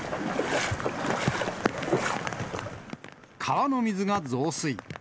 川の水が増水。